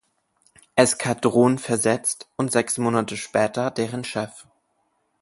Eskadron versetzt und sechs Monate später deren Chef.